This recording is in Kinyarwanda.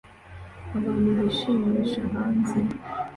Abantu bishimisha hanze